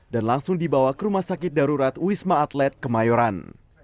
dan langsung dibawa ke rumah sakit darurat wisma atlet kemayoran